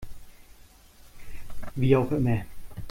Wie auch immer.